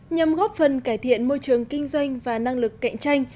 nhằm góp phần cải thiện môi trường kinh doanh và năng lực cạnh tranh